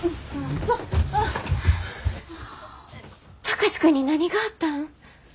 貴司君に何があったん？